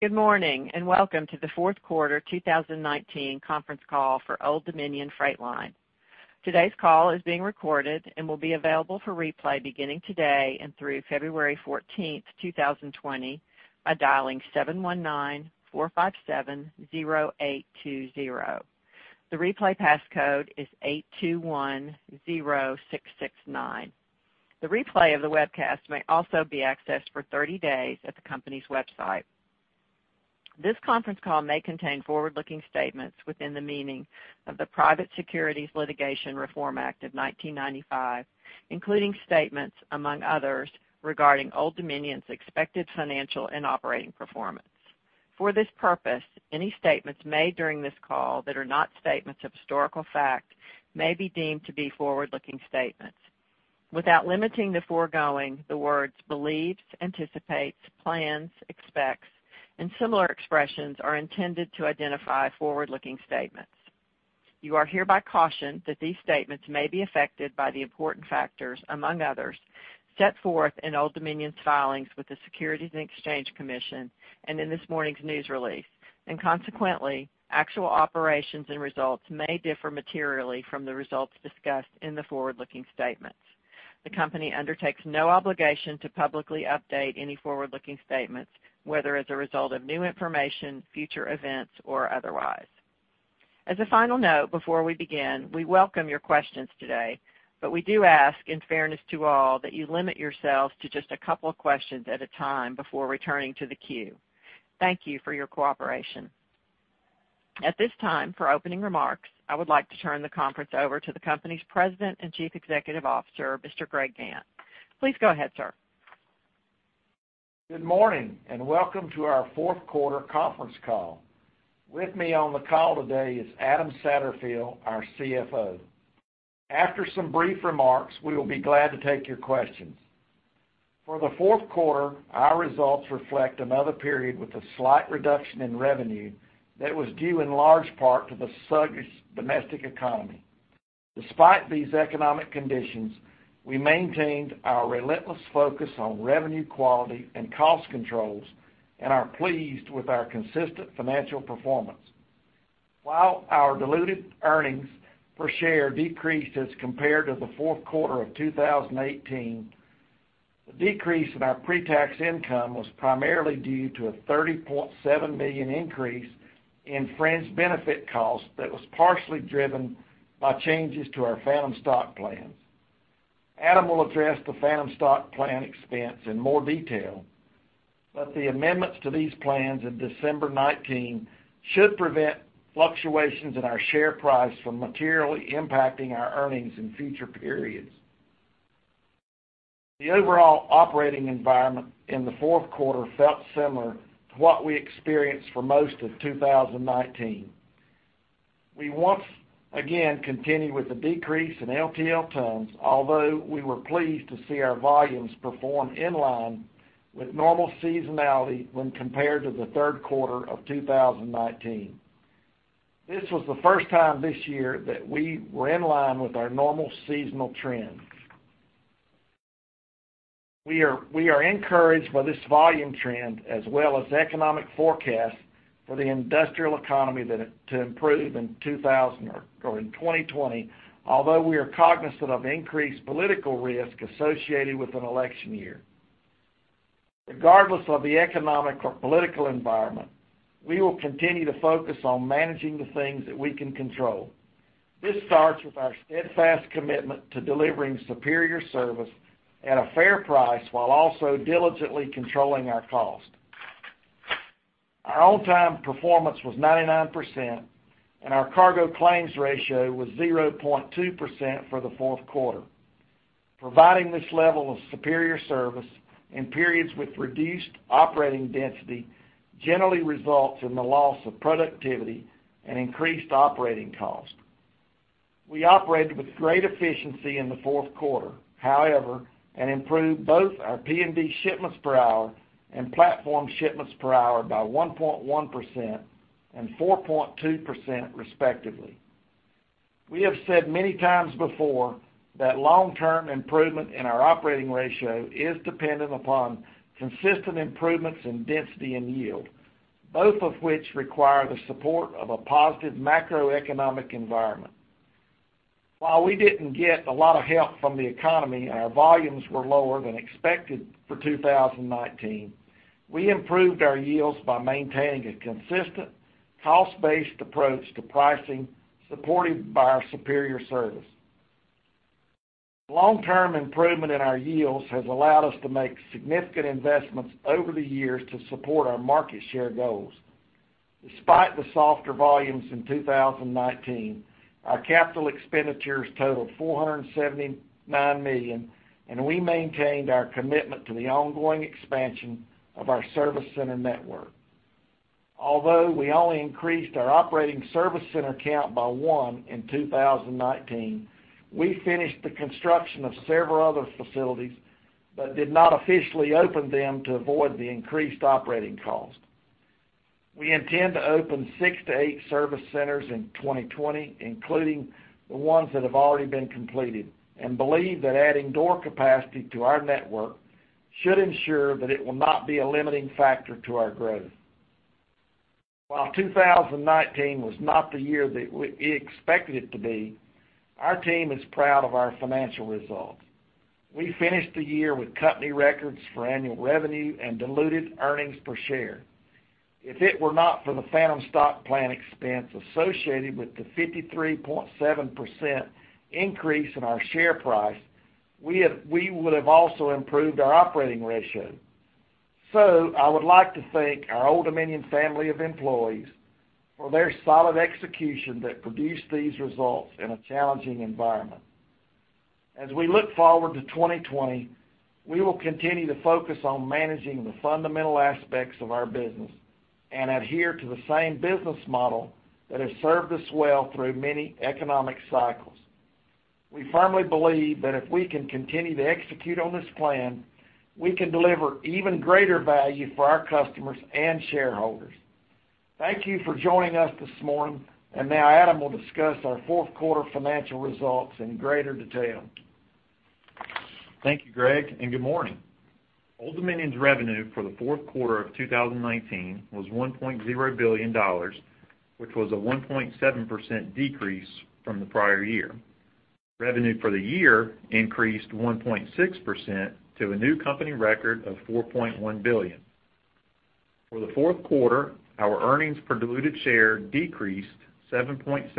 Good morning, welcome to the fourth quarter 2019 conference call for Old Dominion Freight Line. Today's call is being recorded and will be available for replay beginning today and through February 14, 2020 by dialing 719-457-0820. The replay passcode is 8210669. The replay of the webcast may also be accessed for 30 days at the company's website. This conference call may contain forward-looking statements within the meaning of the Private Securities Litigation Reform Act of 1995, including statements among others regarding Old Dominion's expected financial and operating performance. For this purpose, any statements made during this call that are not statements of historical fact may be deemed to be forward-looking statements. Without limiting the foregoing, the words believes, anticipates, plans, expects, and similar expressions are intended to identify forward-looking statements. You are hereby cautioned that these statements may be affected by the important factors, among others, set forth in Old Dominion's filings with the Securities and Exchange Commission and in this morning's news release. Consequently, actual operations and results may differ materially from the results discussed in the forward-looking statements. The company undertakes no obligation to publicly update any forward-looking statements, whether as a result of new information, future events, or otherwise. As a final note, before we begin, we welcome your questions today, but we do ask in fairness to all that you limit yourselves to just a couple of questions at a time before returning to the queue. Thank you for your cooperation. At this time, for opening remarks, I would like to turn the conference over to the company's President and Chief Executive Officer, Mr. Greg Gantt. Please go ahead, sir. Good morning and welcome to our fourth quarter conference call. With me on the call today is Adam Satterfield, our CFO. After some brief remarks, we will be glad to take your questions. For the fourth quarter, our results reflect another period with a slight reduction in revenue that was due in large part to the sluggish domestic economy. Despite these economic conditions, we maintained our relentless focus on revenue quality and cost controls and are pleased with our consistent financial performance. While our diluted earnings per share decreased as compared to the fourth quarter of 2018, the decrease in our pre-tax income was primarily due to a $30.7 million increase in fringe benefit costs that was partially driven by changes to our phantom stock plans. Adam will address the phantom stock plan expense in more detail. The amendments to these plans in December 19 should prevent fluctuations in our share price from materially impacting our earnings in future periods. The overall operating environment in the fourth quarter felt similar to what we experienced for most of 2019. We once again continued with the decrease in LTL tons, although we were pleased to see our volumes perform in line with normal seasonality when compared to the third quarter of 2019. This was the first time this year that we were in line with our normal seasonal trends. We are encouraged by this volume trend as well as economic forecasts for the industrial economy to improve in 2020, although we are cognizant of increased political risk associated with an election year. Regardless of the economic or political environment, we will continue to focus on managing the things that we can control. This starts with our steadfast commitment to delivering superior service at a fair price while also diligently controlling our cost. Our on-time performance was 99%, and our cargo claims ratio was 0.2% for the fourth quarter. Providing this level of superior service in periods with reduced operating density generally results in the loss of productivity and increased operating cost. We operated with great efficiency in the fourth quarter, however, and improved both our P&D shipments per hour and platform shipments per hour by 1.1% and 4.2% respectively. We have said many times before that long-term improvement in our operating ratio is dependent upon consistent improvements in density and yield, both of which require the support of a positive macroeconomic environment. While we didn't get a lot of help from the economy and our volumes were lower than expected for 2019, we improved our yields by maintaining a consistent cost-based approach to pricing supported by our superior service. Long-term improvement in our yields has allowed us to make significant investments over the years to support our market share goals. Despite the softer volumes in 2019, our capital expenditures totaled $479 million, and we maintained our commitment to the ongoing expansion of our service center network. Although we only increased our operating service center count by ONE in 2019, we finished the construction of several other facilities but did not officially open them to avoid the increased operating cost. We intend to open six to eight service centers in 2020, including the ones that have already been completed, and believe that adding door capacity to our network should ensure that it will not be a limiting factor to our growth. While 2019 was not the year that it expected it to be, our team is proud of our financial results. We finished the year with company records for annual revenue and diluted earnings per share. If it were not for the phantom stock plan expense associated with the 53.7% increase in our share price, we would have also improved our operating ratio. I would like to thank our Old Dominion family of employees for their solid execution that produced these results in a challenging environment. As we look forward to 2020, we will continue to focus on managing the fundamental aspects of our business and adhere to the same business model that has served us well through many economic cycles. We firmly believe that if we can continue to execute on this plan, we can deliver even greater value for our customers and shareholders. Thank you for joining us this morning. Now Adam will discuss our fourth quarter financial results in greater detail. Thank you, Greg, and good morning. Old Dominion's revenue for the fourth quarter of 2019 was $1.0 billion, which was a 1.7% decrease from the prior year. Revenue for the year increased 1.6% to a new company record of $4.1 billion. For the fourth quarter, our earnings per diluted share decreased 7.7%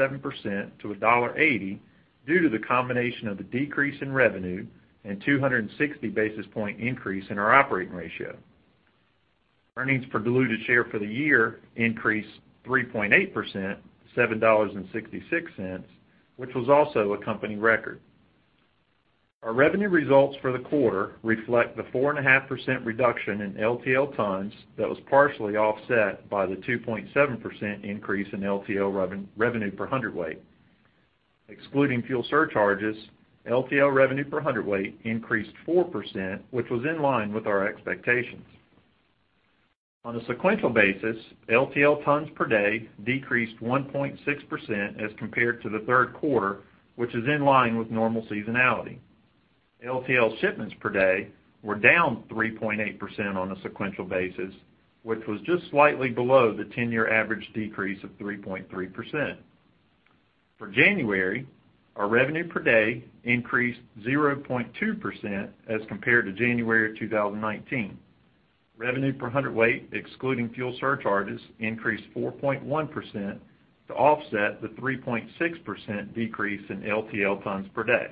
to $1.80 due to the combination of the decrease in revenue and 260 basis point increase in our operating ratio. Earnings per diluted share for the year increased 3.8%, $7.66, which was also a company record. Our revenue results for the quarter reflect the 4.5% reduction in LTL tons that was partially offset by the 2.7% increase in LTL revenue per hundredweight. Excluding fuel surcharges, LTL revenue per hundredweight increased 4%, which was in line with our expectations. On a sequential basis, LTL tons per day decreased 1.6% as compared to the third quarter, which is in line with normal seasonality. LTL shipments per day were down 3.8% on a sequential basis, which was just slightly below the 10-year average decrease of 3.3%. For January, our revenue per day increased 0.2% as compared to January of 2019. Revenue per hundredweight, excluding fuel surcharges, increased 4.1% to offset the 3.6% decrease in LTL tons per day.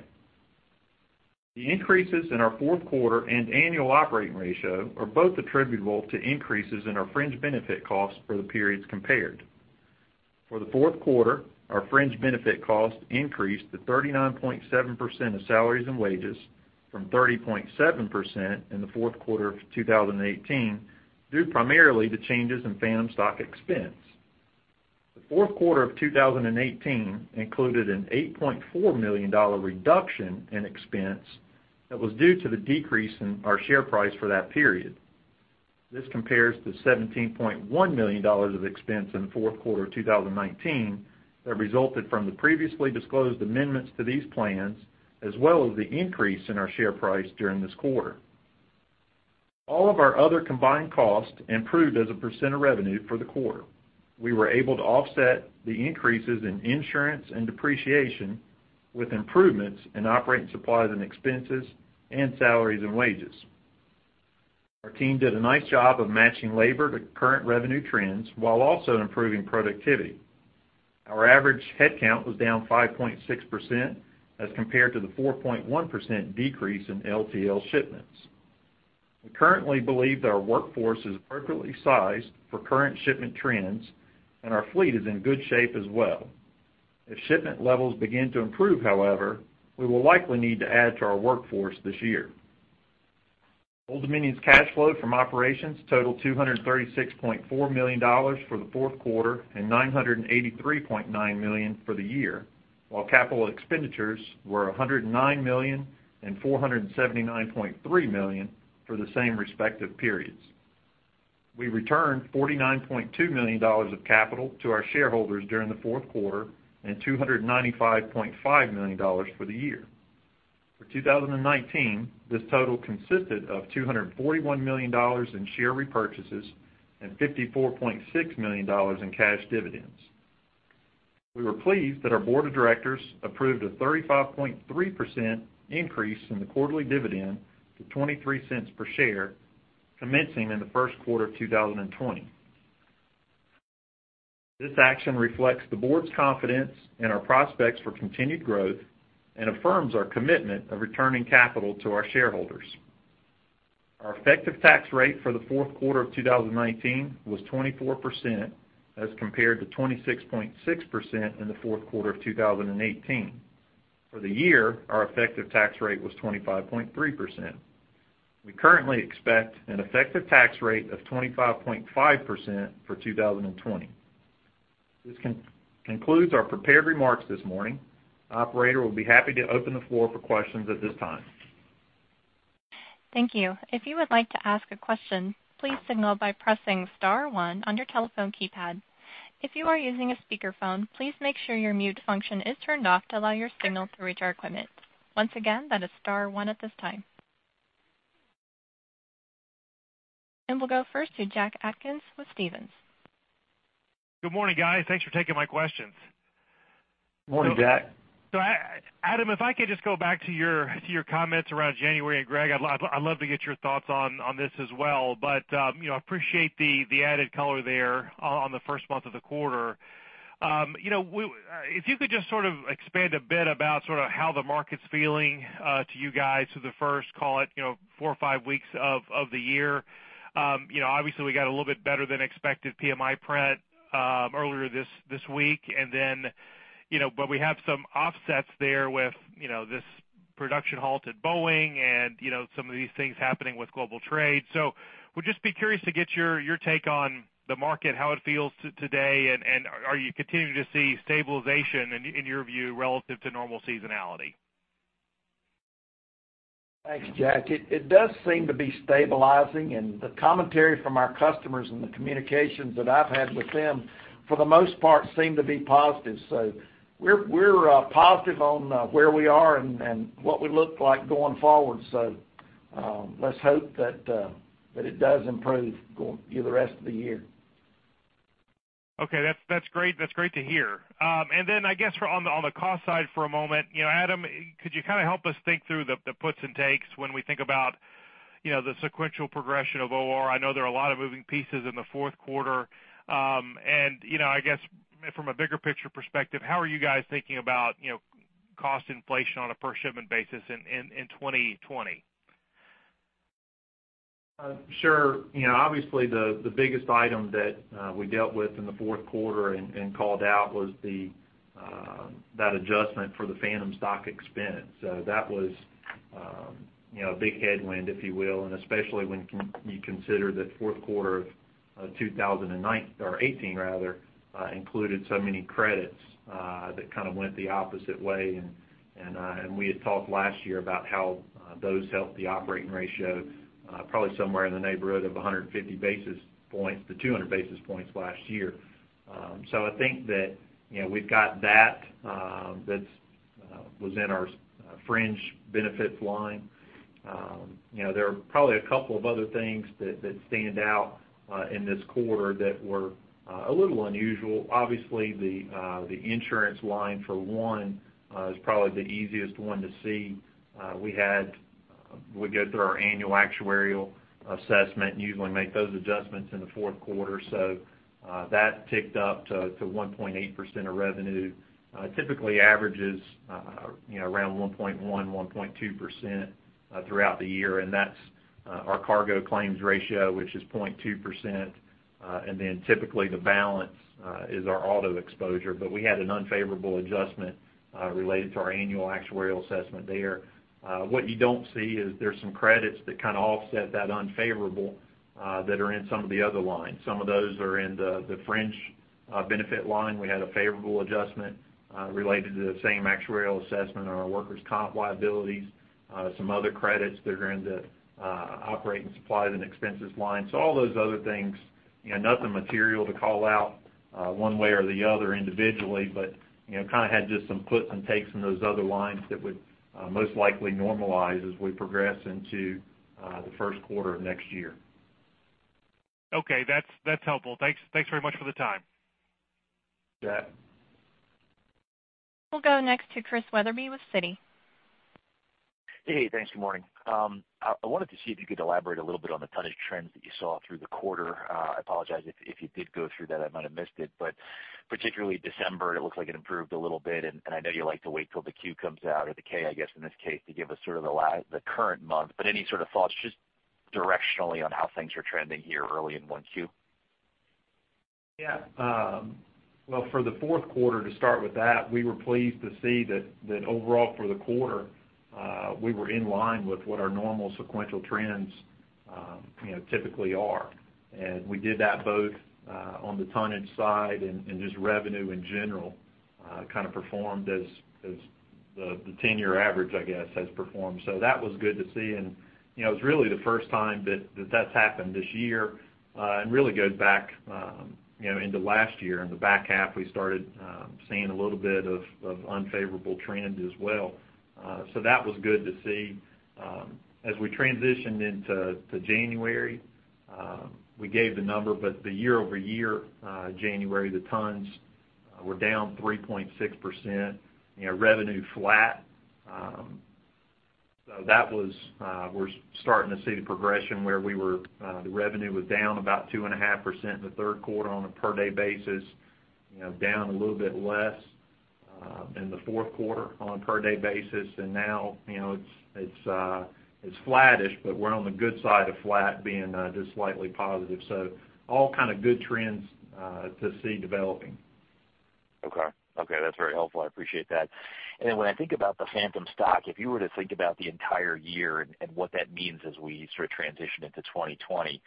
The increases in our fourth quarter and annual operating ratio are both attributable to increases in our fringe benefit costs for the periods compared. For the fourth quarter, our fringe benefit cost increased to 39.7% of salaries and wages from 30.7% in the fourth quarter of 2018, due primarily to changes in phantom stock expense. The fourth quarter of 2018 included an $8.4 million reduction in expense that was due to the decrease in our share price for that period. This compares to $17.1 million of expense in the fourth quarter of 2019 that resulted from the previously disclosed amendments to these plans, as well as the increase in our share price during this quarter. All of our other combined costs improved as a percent of revenue for the quarter. We were able to offset the increases in insurance and depreciation with improvements in operating supplies and expenses and salaries and wages. Our team did a nice job of matching labor to current revenue trends while also improving productivity. Our average headcount was down 5.6% as compared to the 4.1% decrease in LTL shipments. We currently believe that our workforce is appropriately sized for current shipment trends and our fleet is in good shape as well. If shipment levels begin to improve, however, we will likely need to add to our workforce this year. Old Dominion's cash flow from operations totaled $236.4 million for the fourth quarter and $983.9 million for the year, while capital expenditures were $109 million and $479.3 million for the same respective periods. We returned $49.2 million of capital to our shareholders during the fourth quarter and $295.5 million for the year. For 2019, this total consisted of $241 million in share repurchases and $54.6 million in cash dividends. We were pleased that our board of directors approved a 35.3% increase in the quarterly dividend to $0.23 per share, commencing in the first quarter of 2020. This action reflects the board's confidence in our prospects for continued growth and affirms our commitment of returning capital to our shareholders. Our effective tax rate for the fourth quarter of 2019 was 24% as compared to 26.6% in the fourth quarter of 2018. For the year, our effective tax rate was 25.3%. We currently expect an effective tax rate of 25.5% for 2020. This concludes our prepared remarks this morning. Operator, we'll be happy to open the floor for questions at this time. Thank you. If you would like to ask a question, please signal by pressing star one on your telephone keypad. If you are using a speakerphone, please make sure your mute function is turned off to allow your signal to reach our equipment. Once again, that is star one at this time. We'll go first to Jack Atkins with Stephens. Good morning, guys. Thanks for taking my questions. Morning, Jack. Adam, if I could just go back to your comments around January. Greg, I'd love to get your thoughts on this as well. If you could just sort of expand a bit about sort of how the market's feeling to you guys through the first, call it, four or five weeks of the year. Obviously we got a little bit better than expected PMI print earlier this week. We have some offsets there with this production halt at Boeing and some of these things happening with global trade. Would just be curious to get your take on the market, how it feels today, and are you continuing to see stabilization in your view, relative to normal seasonality? Thanks, Jack. It does seem to be stabilizing, the commentary from our customers and the communications that I've had with them, for the most part seem to be positive. We're positive on where we are and what we look like going forward. Let's hope that it does improve going through the rest of the year. Okay. That's great. That's great to hear. Then I guess for on the, on the cost side for a moment, you know, Adam, could you kinda help us think through the puts and takes when we think about, you know, the sequential progression of OR? I know there are a lot of moving pieces in the fourth quarter. You know, I guess from a bigger picture perspective, how are you guys thinking about, you know, cost inflation on a per shipment basis in 2020? Sure. You know, obviously the biggest item that we dealt with in the fourth quarter and called out was that adjustment for the phantom stock expense. That was, you know, a big headwind, if you will. Especially when you consider that fourth quarter of 2009 or 2018 rather, included so many credits that kinda went the opposite way. We had talked last year about how those helped the operating ratio probably somewhere in the neighborhood of 150 basis points to 200 basis points last year. I think that, you know, we've got that's was in our fringe benefits line. You know, there are probably a couple of other things that stand out in this quarter that were a little unusual. Obviously the insurance line for one is probably the easiest one to see. We go through our annual actuarial assessment and usually make those adjustments in the fourth quarter. That ticked up to 1.8% of revenue. It typically averages, you know, around 1.1%, 1.2% throughout the year. That's our cargo claims ratio, which is 0.2%. Typically the balance is our auto exposure. We had an unfavorable adjustment related to our annual actuarial assessment there. What you don't see is there's some credits that kind of offset that unfavorable that are in some of the other lines. Some of those are in the fringe benefit line. We had a favorable adjustment related to the same actuarial assessment on our workers' comp liabilities. Some other credits that are in the operating supplies and expenses line. All those other things, you know, nothing material to call out one way or the other individually. You know, kind of had just some puts and takes in those other lines that would most likely normalize as we progress into the first quarter of next year. Okay. That's helpful. Thanks very much for the time. Yeah. We'll go next to Chris Wetherbee with Citi. Hey. Thanks. Good morning. I wanted to see if you could elaborate a little bit on the tonnage trends that you saw through the quarter. I apologize if you did go through that, I might have missed it. Particularly December, it looks like it improved a little bit, and I know you like to wait till the Q comes out or the K, I guess in this case, to give us sort of the current month. Any sort of thoughts just directionally on how things are trending here early in 1Q? Yeah. For the fourth quarter, to start with that, we were pleased to see that overall for the quarter, we were in line with what our normal sequential trends, you know, typically are. We did that both on the tonnage side and just revenue in general, kind of performed as the 10-year average, I guess, has performed. That was good to see. You know, it was really the first time that that's happened this year. Really goes back, you know, into last year. In the back half, we started seeing a little bit of unfavorable trend as well. That was good to see. As we transitioned into January, we gave the number. The year-over-year, January, the tons were down 3.6%, you know, revenue flat. That was, we're starting to see the progression where we were, the revenue was down about 2.5% in the third quarter on a per day basis. You know, down a little bit less in the fourth quarter on a per day basis. Now, you know, it's flattish, but we're on the good side of flat, being just slightly positive. All kind of good trends to see developing. Okay. Okay, that's very helpful. I appreciate that. When I think about the phantom stock, if you were to think about the entire year and what that means as we sort of transition into 2020,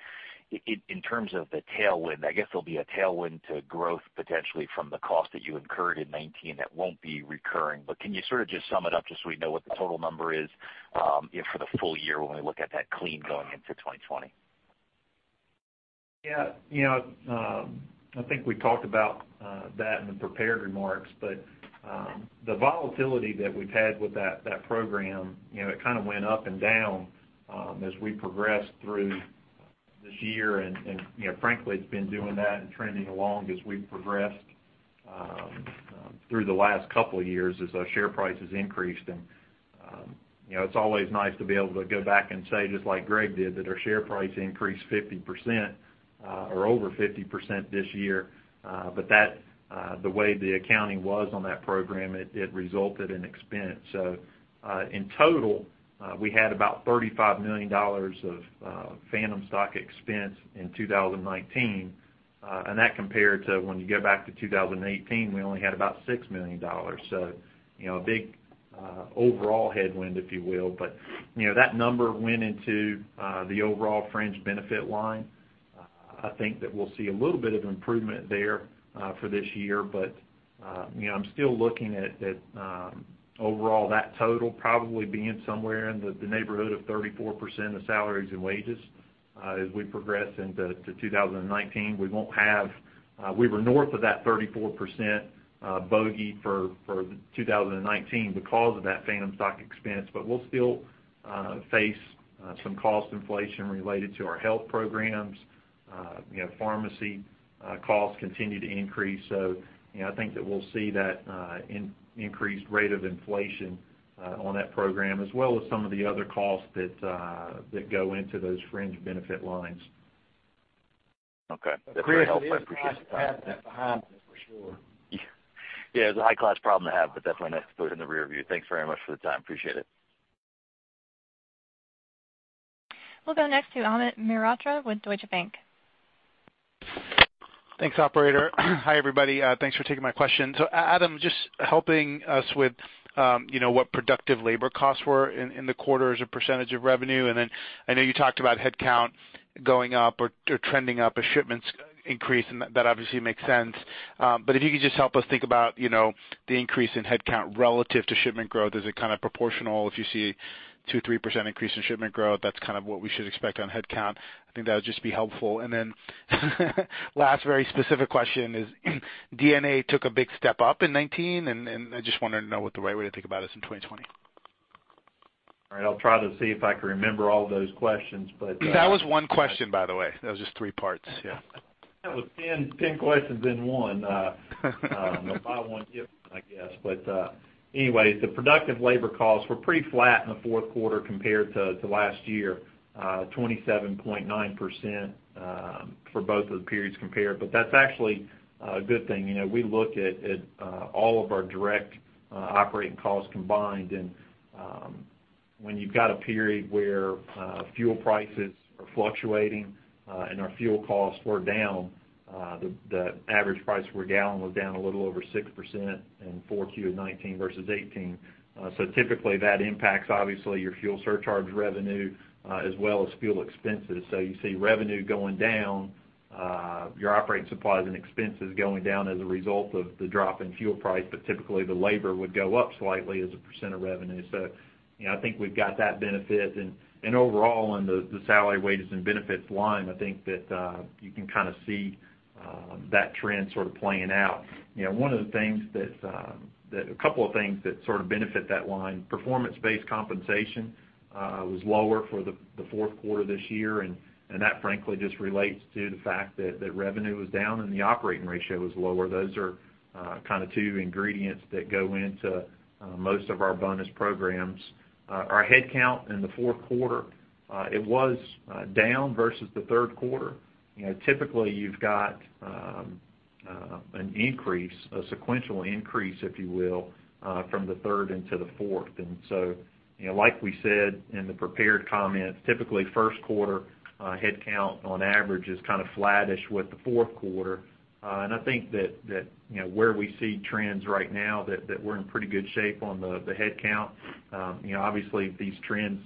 in terms of the tailwind, I guess there'll be a tailwind to growth potentially from the cost that you incurred in 2019 that won't be recurring. Can you sort of just sum it up just so we know what the total number is, you know, for the full year when we look at that clean going into 2020? You know, I think we talked about that in the prepared remarks, but the volatility that we've had with that program, you know, it kinda went up and down as we progressed through this year. You know, frankly, it's been doing that and trending along as we've progressed through the last couple years as our share price has increased. You know, it's always nice to be able to go back and say, just like Greg did, that our share price increased 50%, or over 50% this year. That, the way the accounting was on that program, it resulted in expense. In total, we had about $35 million of phantom stock expense in 2019. That compared to when you go back to 2018, we only had about $6 million. You know, a big overall headwind, if you will. You know, that number went into the overall fringe benefit line. I think that we'll see a little bit of improvement there for this year. You know, I'm still looking at overall, that total probably being somewhere in the neighborhood of 34% of salaries and wages as we progress into 2019. We were north of that 34% bogey for 2019 because of that phantom stock expense. We'll still face some cost inflation related to our health programs. You know, pharmacy costs continue to increase. You know, I think that we'll see that increased rate of inflation on that program, as well as some of the other costs that go into those fringe benefit lines. Okay. That's very helpful. I appreciate the time. Chris, it is nice to have that behind us, for sure. Yeah. Yeah, it's a high-class problem to have, but definitely nice to put it in the rearview. Thanks very much for the time. Appreciate it. We'll go next to Amit Mehrotra with Deutsche Bank. Thanks, operator. Hi, everybody. Thanks for taking my question. Adam, just helping us with, you know, what productive labor costs were in the quarter as a percentage of revenue. I know you talked about headcount going up or trending up as shipments increase, and that obviously makes sense. If you could just help us think about, you know, the increase in headcount relative to shipment growth. Is it kind of proportional if you see 2%-3% increase in shipment growth, that's kind of what we should expect on headcount? I think that would just be helpful. Last very specific question is, D&A took a big step up in 2019, and I just wanted to know what the right way to think about this in 2020. All right. I'll try to see if I can remember all of those questions. That was one question, by the way. That was just three parts, yeah. That was 10 questions in one. A buy one, get one, I guess. Anyway, the productive labor costs were pretty flat in the fourth quarter compared to last year, 27.9% for both of the periods compared. That's actually a good thing. You know, we look at all of our direct operating costs combined. When you've got a period where fuel prices are fluctuating, and our fuel costs were down, the average price per gallon was down a little over 6% in 4Q of 2019 versus 2018. Typically that impacts obviously your fuel surcharge revenue, as well as fuel expenses. You see revenue going down, your operating supplies and expenses going down as a result of the drop in fuel price. Typically, the labor would go up slightly as a percent of revenue. You know, I think we've got that benefit. Overall on the salary, wages, and benefits line, I think that, you can kinda see that trend sort of playing out. You know, a couple of things that sort of benefit that line, performance-based compensation, was lower for the fourth quarter this year, and that frankly just relates to the fact that revenue was down and the operating ratio was lower. Those are, kinda two ingredients that go into most of our bonus programs. Our headcount in the fourth quarter, it was down versus the third quarter. You know, typically you've got an increase, a sequential increase, if you will, from the third into the fourth. You know, like we said in the prepared comments, typically first quarter, headcount on average is kinda flattish with the fourth quarter. I think that, you know, where we see trends right now, that we're in pretty good shape on the headcount. You know, obviously, if these trends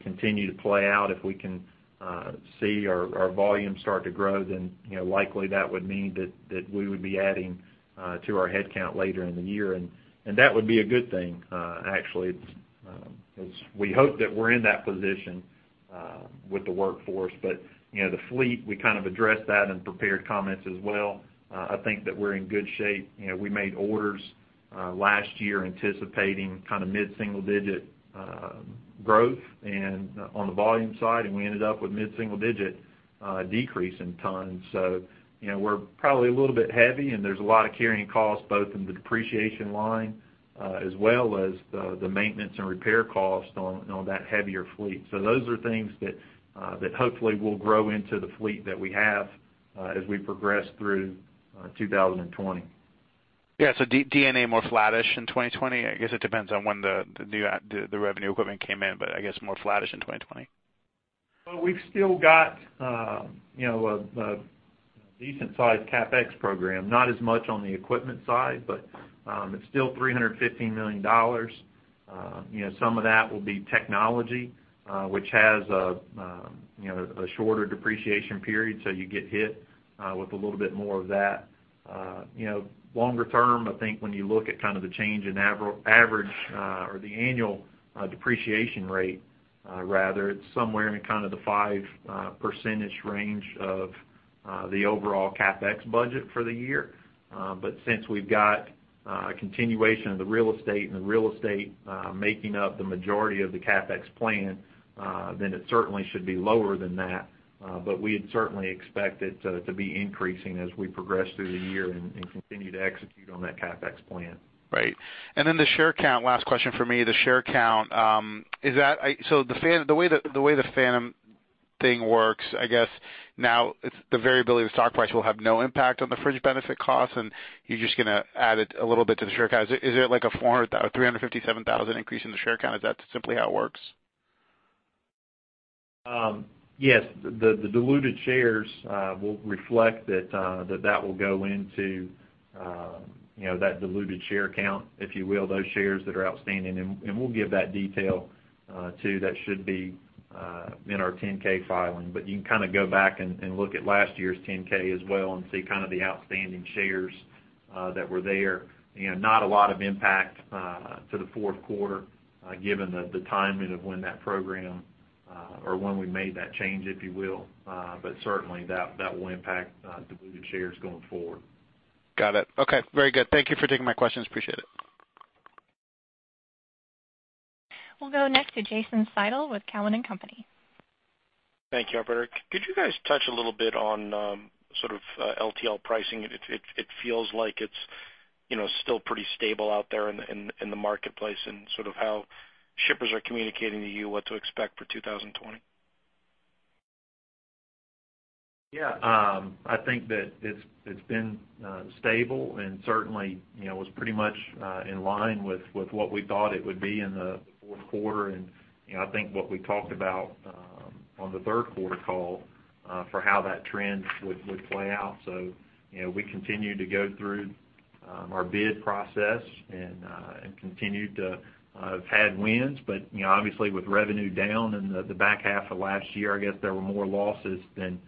continue to play out, if we can see our volume start to grow, then, you know, likely that would mean that we would be adding to our headcount later in the year. That would be a good thing, actually. As we hope that we're in that position with the workforce. You know, the fleet, we kind of addressed that in prepared comments as well. I think that we're in good shape. You know, we made orders last year anticipating kinda mid-single-digit growth and on the volume side, and we ended up with mid-single-digit decrease in tons. You know, we're probably a little bit heavy, and there's a lot of carrying costs both in the depreciation line, as well as the maintenance and repair costs on that heavier fleet. Those are things that hopefully will grow into the fleet that we have as we progress through 2020. Yeah. D&A more flattish in 2020? I guess it depends on when the new revenue equipment came in, I guess more flattish in 2020. Well, we've still got, you know, a decent sized CapEx program. Not as much on the equipment side, it's still $350 million. You know, some of that will be technology, which has, you know, a shorter depreciation period, you get hit with a little bit more of that. You know, longer term, I think when you look at kind of the change in average, or the annual depreciation rate, rather it's somewhere in kind of the 5% range of the overall CapEx budget for the year. Since we've got a continuation of the real estate and the real estate making up the majority of the CapEx plan, it certainly should be lower than that. We had certainly expect it to be increasing as we progress through the year and continue to execute on that CapEx plan. Right. The share count, last question for me, the share count, the way the phantom thing works, I guess now it's the variability of the stock price will have no impact on the fringe benefit costs, and you're just gonna add it a little bit to the share count. Is it like a 357,000 increase in the share count? Is that simply how it works? Yes. The diluted shares will reflect that will go into, you know, that diluted share count, if you will, those shares that are outstanding. We'll give that detail too. That should be in our 10-K filing. You can kinda go back and look at last year's 10-K as well and see kind of the outstanding shares that were there. You know, not a lot of impact to the fourth quarter, given the timing of when that program or when we made that change, if you will. Certainly that will impact diluted shares going forward. Got it. Okay. Very good. Thank you for taking my questions. Appreciate it. We'll go next to Jason Seidl with Cowen and Company. Thank you, operator. Could you guys touch a little bit on sort of LTL pricing? It feels like it's, you know, still pretty stable out there in the marketplace and sort of how shippers are communicating to you what to expect for 2020. Yeah. I think that it's been stable and certainly, you know, was pretty much in line with what we thought it would be in the fourth quarter. You know, I think what we talked about on the third quarter call for how that trend would play out. You know, we continued to go through our bid process and continued to have had wins. You know, obviously with revenue down in the back half of last year, I guess there were more losses than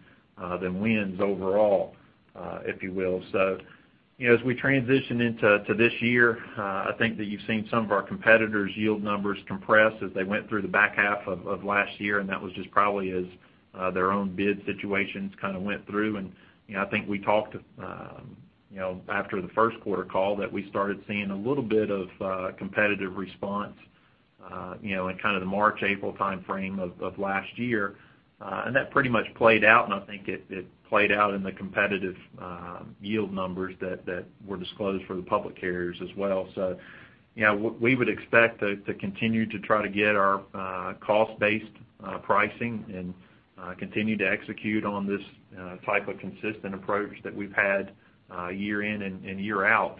wins overall, if you will. You know, as we transition into this year, I think that you've seen some of our competitors' yield numbers compress as they went through the back half of last year, and that was just probably as their own bid situations kinda went through. You know, I think we talked, you know, after the first quarter call that we started seeing a little bit of competitive response, you know, in kind of the March, April timeframe of last year. That pretty much played out, and I think it played out in the competitive yield numbers that were disclosed for the public carriers as well. You know, we would expect to continue to try to get our cost-based pricing and continue to execute on this type of consistent approach that we've had year in and year out.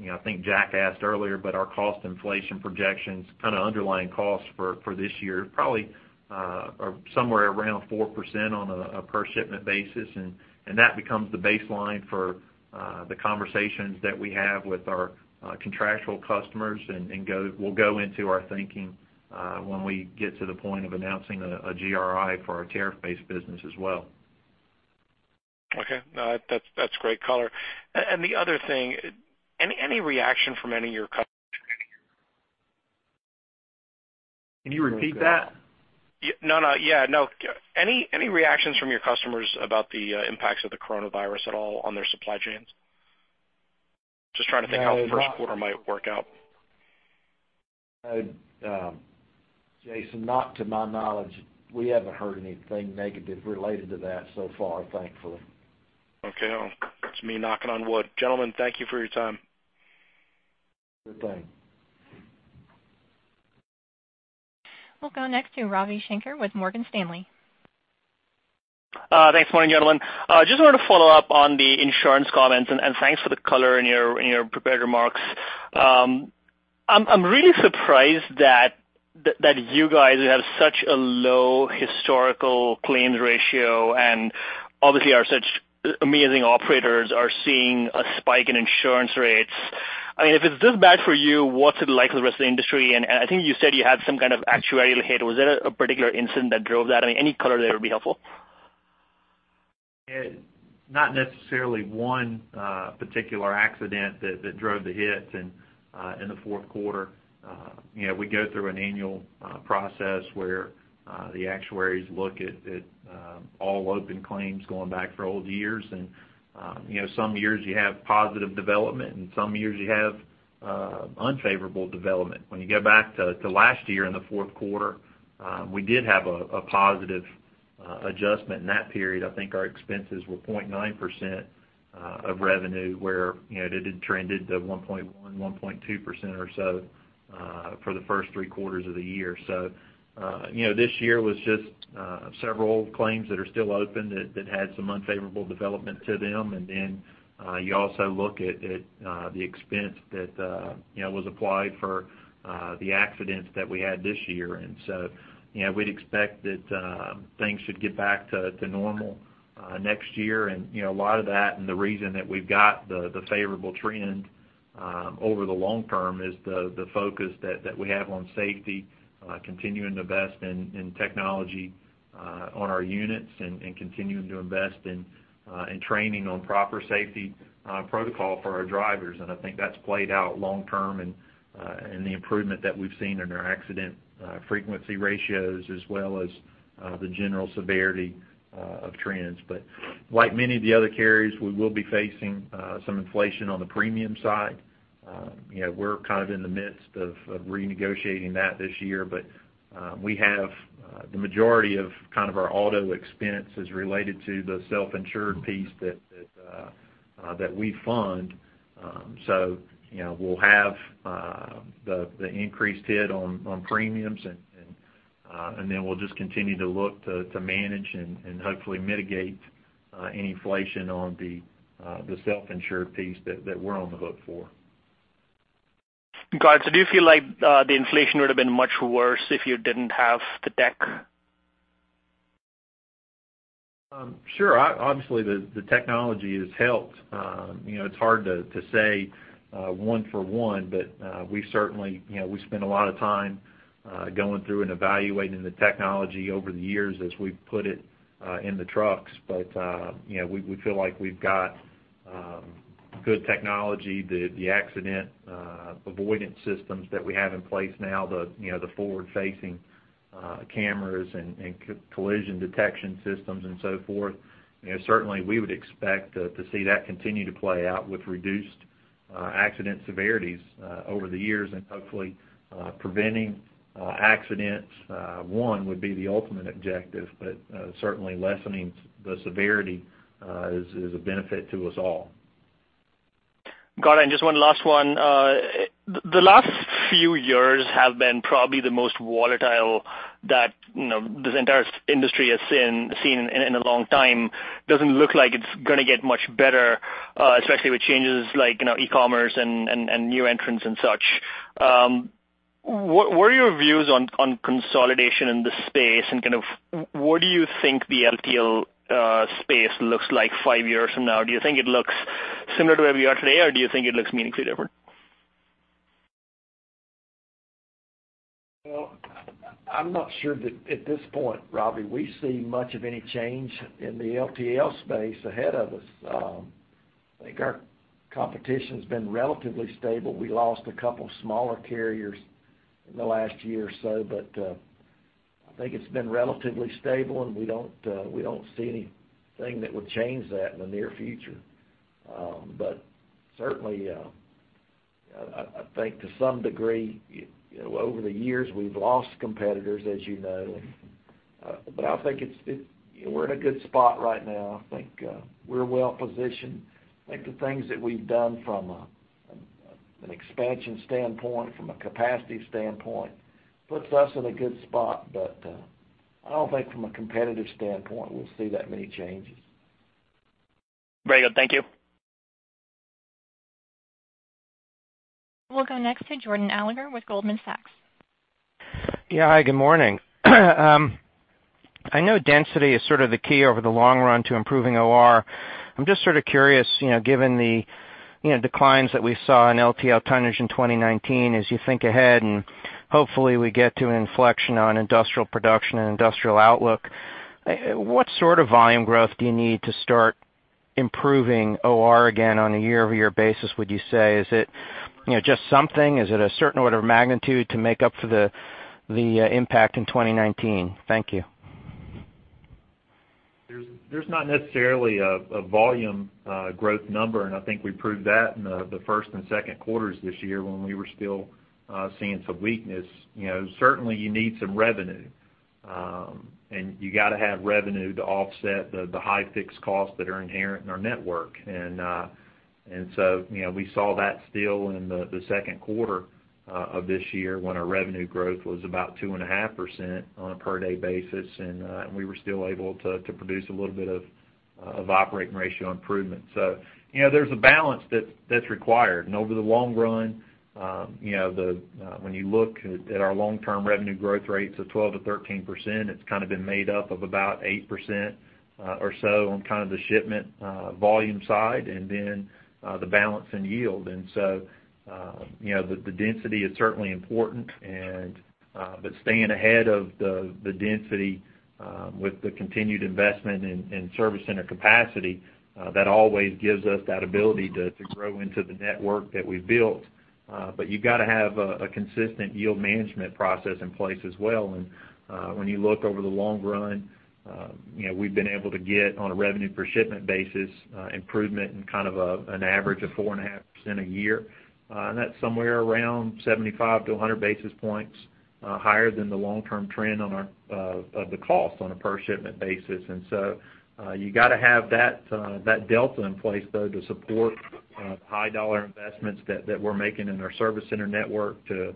You know, I think Jack asked earlier, but our cost inflation projections, kind of underlying costs for this year probably are somewhere around 4% on a per shipment basis. That becomes the baseline for the conversations that we have with our contractual customers and will go into our thinking when we get to the point of announcing a GRI for our tariff-based business as well. Okay. No, that's great color. The other thing, any reaction from any of your customers? Can you repeat that? No, no. Yeah, no. Any reactions from your customers about the impacts of the coronavirus at all on their supply chains? Just trying to think how the first quarter might work out. Jason, not to my knowledge. We haven't heard anything negative related to that so far, thankfully. That's me knocking on wood. Gentlemen, thank you for your time. Good day. We'll go next to Ravi Shanker with Morgan Stanley. Thanks, morning, gentlemen. Just wanted to follow up on the insurance comments, and thanks for the color in your prepared remarks. I'm really surprised that you guys have such a low historical claims ratio and obviously are such amazing operators are seeing a spike in insurance rates. I mean, if it's this bad for you, what's it like for the rest of the industry? I think you said you had some kind of actuarial hit. Was there a particular incident that drove that? I mean, any color there would be helpful. Not necessarily one particular accident that drove the hits in the fourth quarter. You know, we go through an annual process where the actuaries look at all open claims going back for old years. You know, some years you have positive development, and some years you have unfavorable development. When you go back to last year in the fourth quarter, we did have a positive adjustment in that period. I think our expenses were 0.9% of revenue, where, you know, it had trended to 1.1%, 1.2% or so for the first three quarters of the year. You know, this year was just several claims that are still open that had some unfavorable development to them. You also look at the expense that was applied for the accidents that we had this year. We'd expect that things should get back to normal next year. A lot of that and the reason that we've got the favorable trend over the long term is the focus that we have on safety, continuing to invest in technology on our units and continuing to invest in training on proper safety protocol for our drivers. I think that's played out long term in the improvement that we've seen in our accident frequency ratios as well as the general severity of trends. Like many of the other carriers, we will be facing some inflation on the premium side. You know, we're kind of in the midst of renegotiating that this year. We have the majority of kind of our auto expense is related to the self-insured piece that we fund. You know, we'll have the increased hit on premiums and then we'll just continue to look to manage and hopefully mitigate any inflation on the self-insured piece that we're on the hook for. Got it. Do you feel like the inflation would have been much worse if you didn't have the tech? Sure. Obviously, the technology has helped. You know, it's hard to say one for one, but we certainly, you know, we spend a lot of time going through and evaluating the technology over the years as we put it in the trucks. You know, we feel like we've got good technology. The accident avoidance systems that we have in place now, you know, the forward-facing cameras and collision detection systems and so forth, you know, certainly we would expect to see that continue to play out with reduced accident severities over the years and hopefully preventing accidents, one, would be the ultimate objective. Certainly lessening the severity is a benefit to us all. Got it. Just one last one. The last few years have been probably the most volatile that, you know, this entire industry has seen in a long time. Doesn't look like it's gonna get much better, especially with changes like, you know, e-commerce and new entrants and such. What are your views on consolidation in this space and kind of what do you think the LTL space looks like five years from now? Do you think it looks similar to where we are today, or do you think it looks meaningfully different? Well, I'm not sure that at this point, Ravi, we see much of any change in the LTL space ahead of us. I think our competition's been relatively stable. We lost a couple smaller carriers in the last year or so, but I think it's been relatively stable, and we don't see anything that would change that in the near future. Certainly, I think to some degree, it, you know, over the years, we've lost competitors, as you know. I think we're in a good spot right now. I think we're well-positioned. I think the things that we've done from an expansion standpoint, from a capacity standpoint, puts us in a good spot. I don't think from a competitive standpoint, we'll see that many changes. Very good. Thank you. We'll go next to Jordan Alliger with Goldman Sachs. Yeah. Hi, good morning. I know density is sort of the key over the long run to improving OR. I'm just sort of curious, you know, given the, you know, declines that we saw in LTL tonnage in 2019, as you think ahead and hopefully we get to an inflection on industrial production and industrial outlook, what sort of volume growth do you need to start improving OR again on a year-over-year basis, would you say? Is it, you know, just something? Is it a certain order of magnitude to make up for the impact in 2019? Thank you. There's not necessarily a volume growth number, and I think we proved that in the first and second quarters this year when we were still seeing some weakness. You know, certainly you need some revenue, and you gotta have revenue to offset the high fixed costs that are inherent in our network. You know, we saw that still in the second quarter of this year when our revenue growth was about 2.5% on a per day basis, and we were still able to produce a little bit of operating ratio improvement. You know, there's a balance that's required. Over the long run, you know, when you look at our long-term revenue growth rates of 12%-13%, it's kind of been made up of about 8% or so on kind of the shipment volume side and then the balance in yield. You know, the density is certainly important and staying ahead of the density with the continued investment in service center capacity, that always gives us that ability to grow into the network that we've built. You've gotta have a consistent yield management process in place as well. When you look over the long run, you know, we've been able to get on a revenue per shipment basis, improvement in kind of an average of 4.5% a year. That's somewhere around 75-100 basis points higher than the long-term trend on our of the cost on a per shipment basis. You gotta have that that delta in place though to support high dollar investments that we're making in our service center network to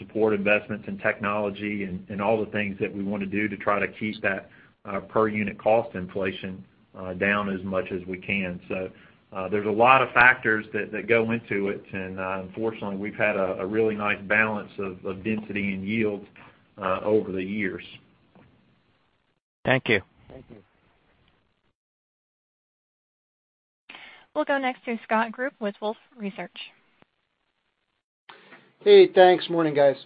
support investments in technology and all the things that we wanna do to try to keep that per unit cost inflation down as much as we can. There's a lot of factors that go into it, and unfortunately, we've had a really nice balance of density and yield over the years. Thank you. We'll go next to Scott Group with Wolfe Research. Hey, thanks. Morning, guys.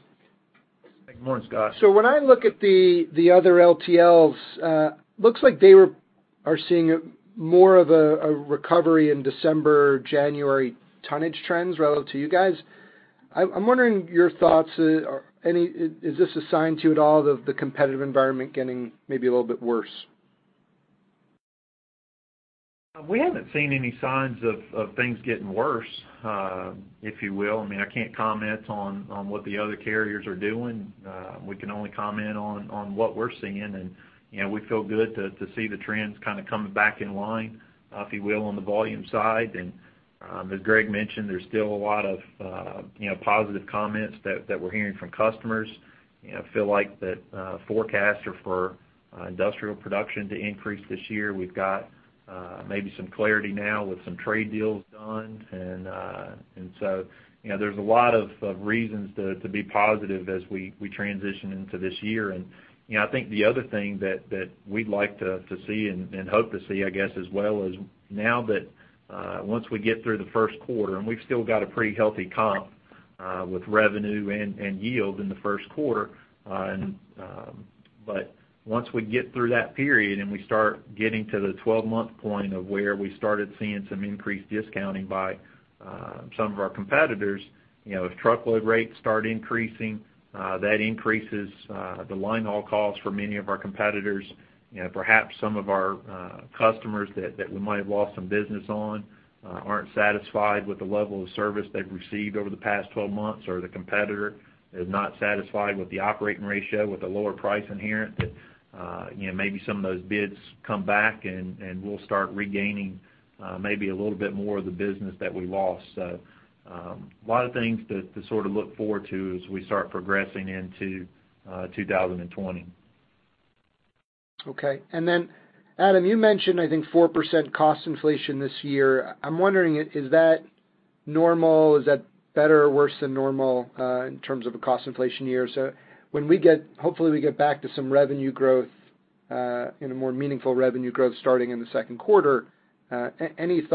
Good morning, Scott. When I look at the other LTLs, looks like they are seeing more of a recovery in December, January tonnage trends relative to you guys. I'm wondering your thoughts. Is this a sign to you at all of the competitive environment getting maybe a little bit worse? We haven't seen any signs of things getting worse, if you will. I mean, I can't comment on what the other carriers are doing. We can only comment on what we're seeing. You know, we feel good to see the trends kinda coming back in line, if you will, on the volume side. As Greg mentioned, there's still a lot of, you know, positive comments that we're hearing from customers. You know, feel like that forecasts are for industrial production to increase this year. We've got maybe some clarity now with some trade deals done. You know, there's a lot of reasons to be positive as we transition into this year. You know, I think the other thing that we'd like to see and hope to see, I guess, as well, is now that, once we get through the first quarter, and we've still got a pretty healthy comp, with revenue and yield in the first quarter. Once we get through that period and we start getting to the 12-month point of where we started seeing some increased discounting by, some of our competitors, you know, if truckload rates start increasing, that increases, the line haul cost for many of our competitors. You know, perhaps some of our customers that we might have lost some business on, aren't satisfied with the level of service they've received over the past 12 months, or the competitor is not satisfied with the operating ratio with the lower price inherent that, you know, maybe some of those bids come back and we'll start regaining, maybe a little bit more of the business that we lost. A lot of things to sort of look forward to as we start progressing into 2020. Okay. Adam, you mentioned, I think 4% cost inflation this year. I'm wondering, is that normal? Is that better or worse than normal in terms of a cost inflation year? When we get hopefully, we get back to some revenue growth, any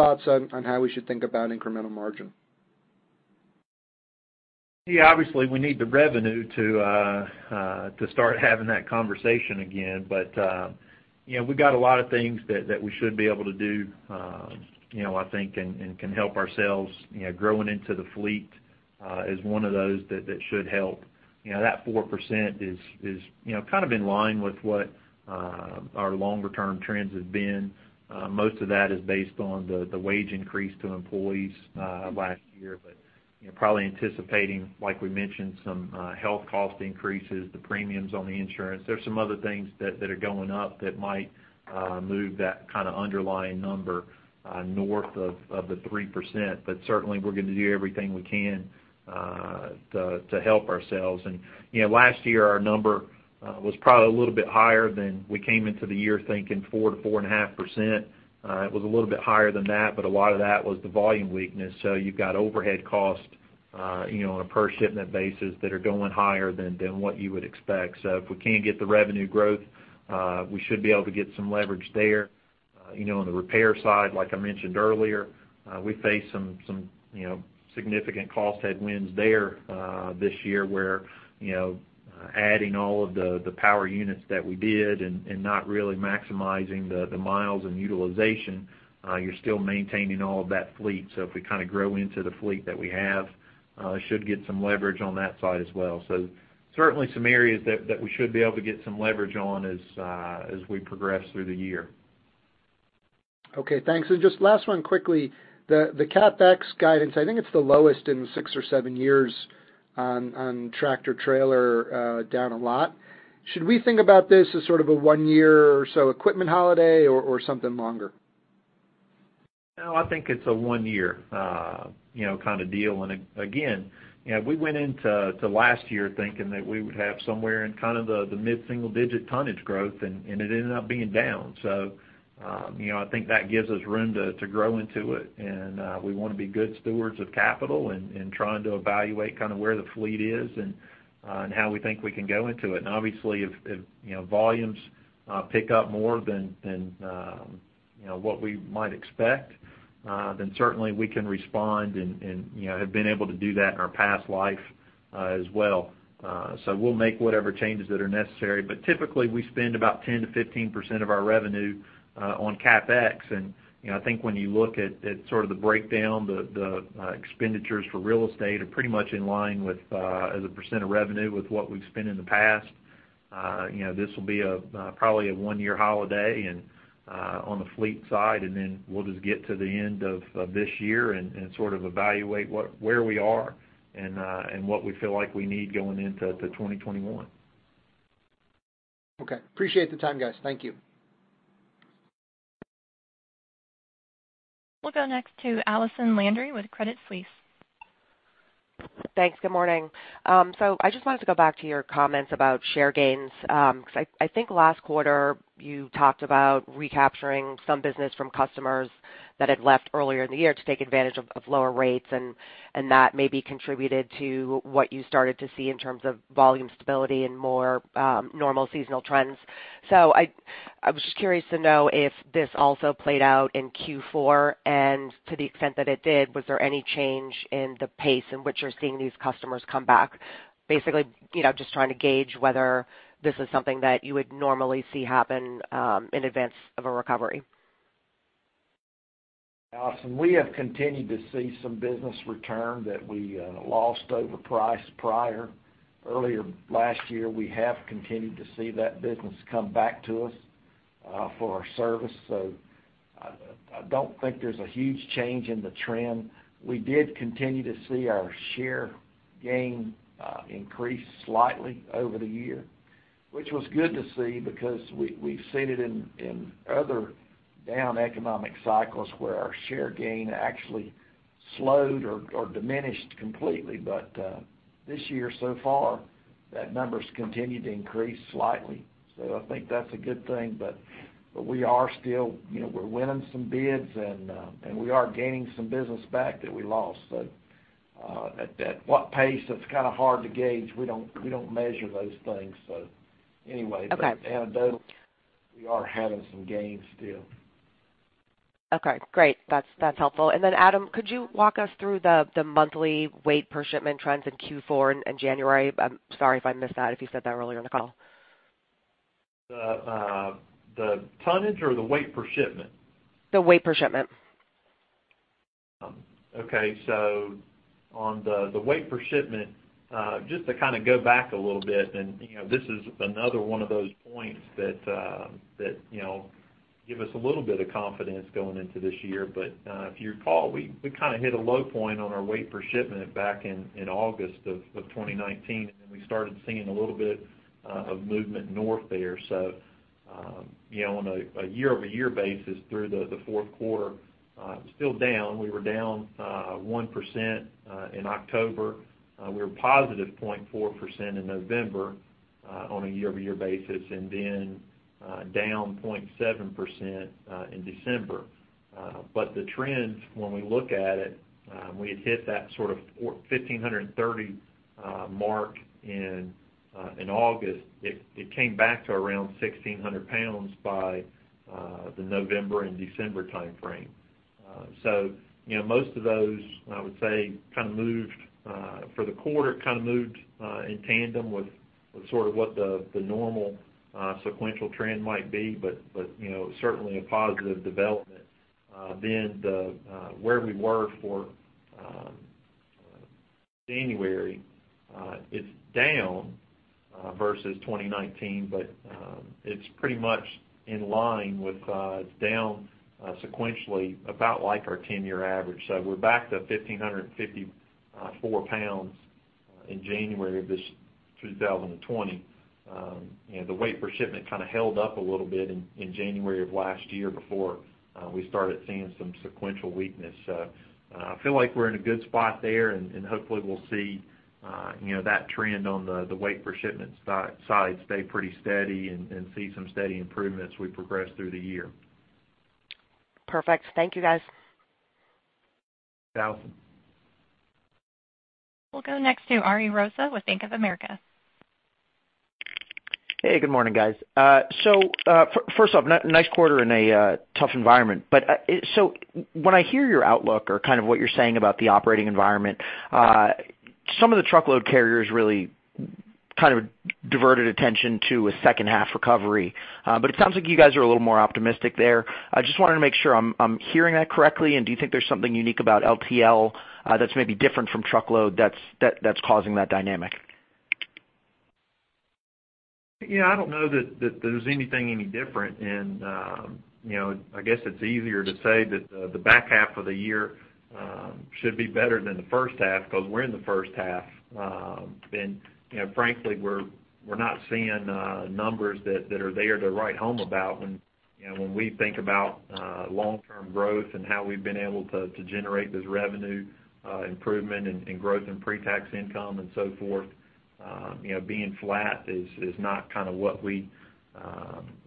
thoughts on how we should think about incremental margin? Obviously, we need the revenue to start having that conversation again. You know, we've got a lot of things that we should be able to do, you know, I think, and can help ourselves. You know, growing into the fleet is one of those that should help. You know, that 4% is, you know, kind of in line with what our longer term trends have been. Most of that is based on the wage increase to employees last year. You know, probably anticipating, like we mentioned, some health cost increases, the premiums on the insurance. There's some other things that are going up that might move that kind of underlying number north of the 3%. Certainly, we're gonna do everything we can to help ourselves. You know, last year, our number was probably a little bit higher than we came into the year thinking 4%-4.5%. It was a little bit higher than that, but a lot of that was the volume weakness. You've got overhead cost, you know, on a per shipment basis that are going higher than what you would expect. If we can't get the revenue growth, we should be able to get some leverage there. You know, on the repair side, like I mentioned earlier, we face some, you know, significant cost headwinds there, this year, where, you know, adding all of the power units that we did and not really maximizing the miles and utilization, you're still maintaining all of that fleet. If we kinda grow into the fleet that we have, should get some leverage on that side as well. Certainly, some areas that we should be able to get some leverage on as we progress through the year. Okay, thanks. Just last one quickly. The CapEx guidance, I think it's the lowest in six or seven years on tractor trailer, down a lot. Should we think about this as sort of a one year or so equipment holiday or something longer? No, I think it's a one-year, you know, kinda deal. Again, you know, we went into last year thinking that we would have somewhere in kind of the mid-single digit tonnage growth, and it ended up being down. You know, I think that gives us room to grow into it. We wanna be good stewards of capital and trying to evaluate kinda where the fleet is and how we think we can go into it. Obviously, if, you know, volumes pick up more than, you know, what we might expect, then certainly we can respond and, you know, have been able to do that in our past life as well. We'll make whatever changes that are necessary. Typically, we spend about 10%-15% of our revenue on CapEx. You know, I think when you look at sort of the breakdown, the expenditures for real estate are pretty much in line with as a percent of revenue with what we've spent in the past. You know, this will be a probably a one-year holiday on the fleet side, and then we'll just get to the end of this year and sort of evaluate where we are and what we feel like we need going into 2021. Okay. Appreciate the time, guys. Thank you. We'll go next to Allison Landry with Credit Suisse. Thanks. Good morning. I just wanted to go back to your comments about share gains. 'Cause I think last quarter you talked about recapturing some business from customers that had left earlier in the year to take advantage of lower rates, and that maybe contributed to what you started to see in terms of volume stability and more normal seasonal trends. I was just curious to know if this also played out in Q4, and to the extent that it did, was there any change in the pace in which you're seeing these customers come back? Basically, you know, just trying to gauge whether this is something that you would normally see happen in advance of a recovery. Allison, we have continued to see some business return that we lost over price prior. Earlier last year, we have continued to see that business come back to us for our service. I don't think there's a huge change in the trend. We did continue to see our share gain increase slightly over the year, which was good to see because we've seen it in other down economic cycles where our share gain actually slowed or diminished completely. This year so far, that number's continued to increase slightly. I think that's a good thing. We are still, you know, we're winning some bids and we are gaining some business back that we lost. At what pace, that's kinda hard to gauge. We don't measure those things. Anyway. Okay. Anecdotally, we are having some gains still. Okay. Great. That's helpful. Then Adam, could you walk us through the monthly weight per shipment trends in Q4 and January? I'm sorry if I missed that, if you said that earlier in the call. The tonnage or the weight per shipment? The weight per shipment. Okay. On the weight per shipment, just to kind of go back a little bit and, you know, this is another one of those points that, you know, give us a little bit of confidence going into this year. If you recall, we kind of hit a low point on our weight per shipment back in August of 2019, and then we started seeing a little bit of movement north there. You know, on a year-over-year basis through the fourth quarter, it was still down. We were down 1% in October. We were positive 0.4% in November, on a year-over-year basis, and then down 0.7% in December. The trends when we look at it, we had hit that sort of 1,530 mark in August. It came back to around 1,600 lbs by the November and December timeframe. You know, most of those, I would say, kinda moved for the quarter, kinda moved in tandem with the sort of what the normal sequential trend might be, but, you know, certainly a positive development. The where we were for January, it's down versus 2019, but it's pretty much in line with down sequentially about like our 10-year average. We're back to 1,554 lbs in January of this 2020. You know, the weight per shipment kinda held up a little bit in January of last year before we started seeing some sequential weakness. I feel like we're in a good spot there and hopefully we'll see, you know, that trend on the weight per shipment side stay pretty steady and see some steady improvements as we progress through the year. Perfect. Thank you, guys. Thanks, Allison. We'll go next to Ariel Rosa with Bank of America. Hey, good morning, guys. First off, nice quarter in a tough environment. When I hear your outlook or kind of what you're saying about the operating environment, some of the truckload carriers really kind of diverted attention to a second half recovery. It sounds like you guys are a little more optimistic there. I just wanted to make sure I'm hearing that correctly. Do you think there's something unique about LTL that's maybe different from truckload that's causing that dynamic? Yeah, I don't know that there's anything any different. You know, I guess it's easier to say that the back half of the year should be better than the first half 'cause we're in the first half. You know, frankly, we're not seeing numbers that are there to write home about when, you know, when we think about long-term growth and how we've been able to generate this revenue improvement and growth in pre-tax income and so forth. You know, being flat is not kinda what we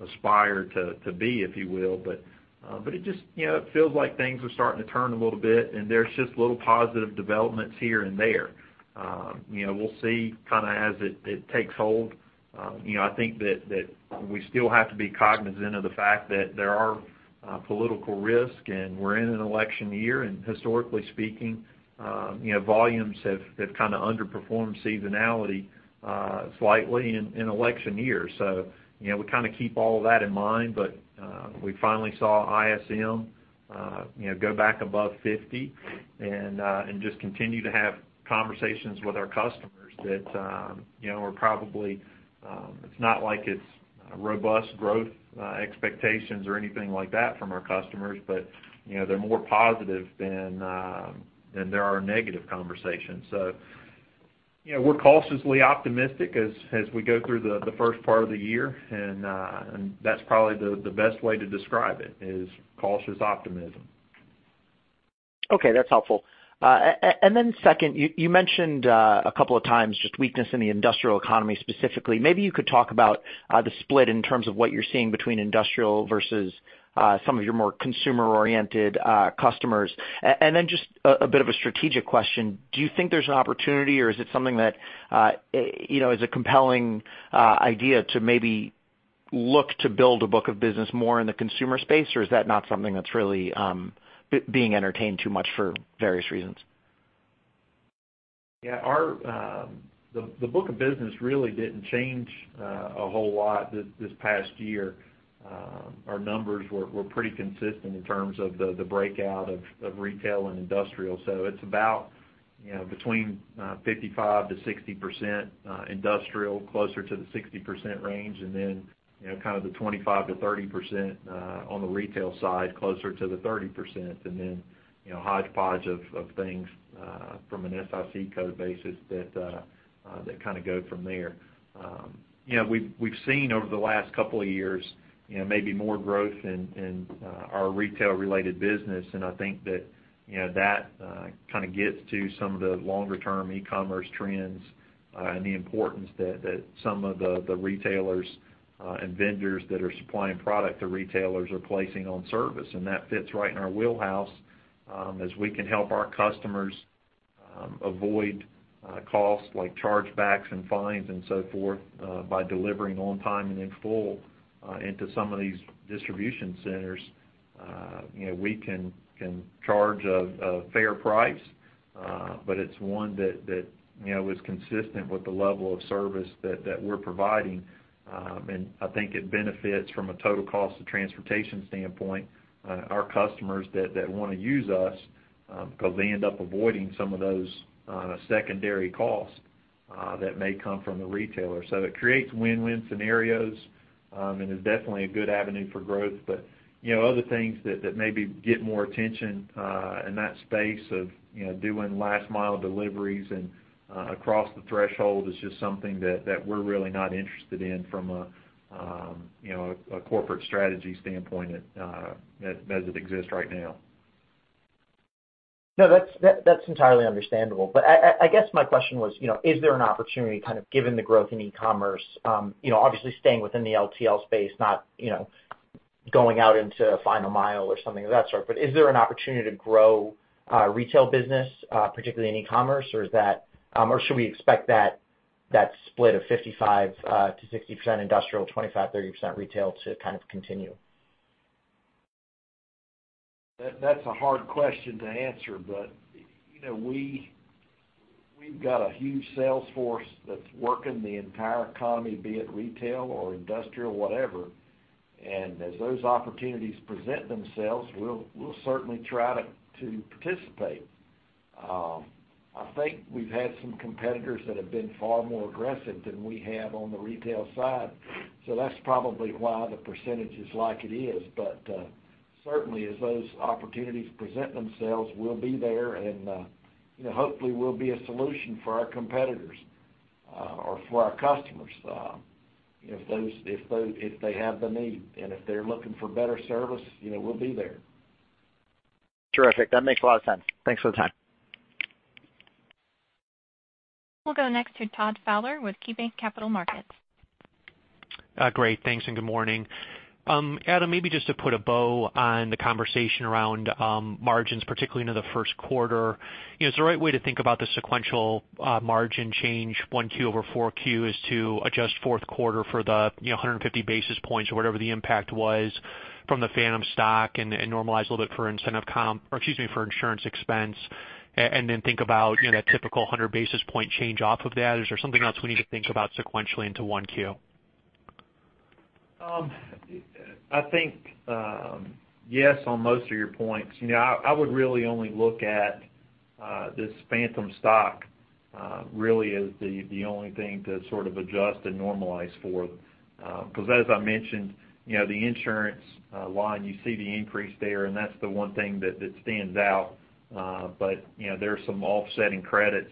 aspire to be, if you will. It just, you know, it feels like things are starting to turn a little bit, and there's just little positive developments here and there. You know, we'll see kinda as it takes hold. You know, I think that we still have to be cognizant of the fact that there are political risk, and we're in an election year, and historically speaking, you know, volumes have kinda underperformed seasonality slightly in election years. You know, we kinda keep all of that in mind, but we finally saw ISM, you know, go back above 50 and just continue to have conversations with our customers that, you know, It's not like it's robust growth expectations or anything like that from our customers, but, you know, they're more positive than there are negative conversations. You know, we're cautiously optimistic as we go through the first part of the year and that's probably the best way to describe it, is cautious optimism. Okay, that's helpful. Second, you mentioned a couple of times just weakness in the industrial economy specifically. Maybe you could talk about the split in terms of what you're seeing between industrial versus some of your more consumer-oriented customers. Just a bit of a strategic question. Do you think there's an opportunity or is it something that, you know, is a compelling idea to maybe look to build a book of business more in the consumer space, or is that not something that's really being entertained too much for various reasons? Yeah, our book of business really didn't change a whole lot this past year. Our numbers were pretty consistent in terms of the breakout of retail and industrial. It's about, you know, between 55%-60% industrial, closer to the 60% range, kind of the 25%-30% on the retail side, closer to the 30%. You know, hodgepodge of things from an SIC code basis that kind of go from there. You know, we've seen over the last couple of years, you know, maybe more growth in our retail-related business. I think that, you know, that kinda gets to some of the longer term e-commerce trends, and the importance that some of the retailers, and vendors that are supplying product to retailers are placing on service. That fits right in our wheelhouse, as we can help our customers avoid costs like chargebacks and fines and so forth, by delivering on time and in full, into some of these distribution centers. You know, we can charge a fair price, but it's one that, you know, is consistent with the level of service that we're providing. I think it benefits from a total cost of transportation standpoint, our customers that wanna use us, ‘cause they end up avoiding some of those secondary costs that may come from the retailer. It creates win-win scenarios, and is definitely a good avenue for growth. You know, other things that maybe get more attention in that space of, you know, doing last mile deliveries and across the threshold is just something that we're really not interested in from a, you know, a corporate strategy standpoint, as it exists right now. No, that's entirely understandable. I guess my question was, you know, is there an opportunity, kind of given the growth in e-commerce, you know, obviously staying within the LTL space, not, you know, going out into final mile or something of that sort. Is there an opportunity to grow retail business particularly in e-commerce, or is that or should we expect that split of 55%-60% industrial, 25%-30% retail to kind of continue? That's a hard question to answer. You know, we've got a huge sales force that's working the entire economy, be it retail or industrial, whatever. As those opportunities present themselves, we'll certainly try to participate. I think we've had some competitors that have been far more aggressive than we have on the retail side, that's probably why the percentage is like it is. Certainly as those opportunities present themselves, we'll be there and, you know, hopefully we'll be a solution for our competitors, or for our customers, if they have the need. If they're looking for better service, you know, we'll be there. Terrific. That makes a lot of sense. Thanks for the time. We'll go next to Todd Fowler with KeyBanc Capital Markets. Great. Thanks, and good morning. Adam, maybe just to put a bow on the conversation around margins, particularly into the first quarter. You know, is the right way to think about the sequential margin change 1Q over 4Q is to adjust fourth quarter for the, you know, 150 basis points or whatever the impact was from the phantom stock and normalize a little bit for incentive comp, or excuse me, for insurance expense, and then think about, you know, that typical 100 basis point change off of that? Is there something else we need to think about sequentially into 1Q? I think, yes, on most of your points. You know, I would really only look at this phantom stock really as the only thing to sort of adjust and normalize for. 'Cause as I mentioned, you know, the insurance line, you see the increase there, and that's the one thing that stands out. You know, there are some offsetting credits